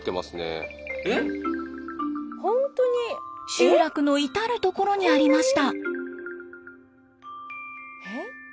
集落の至る所にありました。